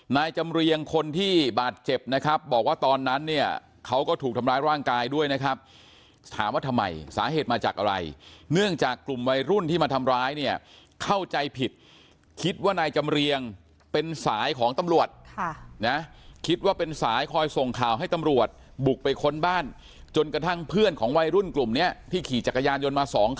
นายจำเรียงคนที่บาดเจ็บนะครับบอกว่าตอนนั้นเนี่ยเขาก็ถูกทำร้ายร่างกายด้วยนะครับถามว่าทำไมสาเหตุมาจากอะไรเนื่องจากกลุ่มวัยรุ่นที่มาทำร้ายเนี่ยเข้าใจผิดคิดว่านายจำเรียงเป็นสายของตำรวจค่ะนะคิดว่าเป็นสายคอยส่งข่าวให้ตำรวจบุกไปค้นบ้านจนกระทั่งเพื่อนของวัยรุ่นกลุ่มเนี้ยที่ขี่จักรยานยนต์มาสองคัน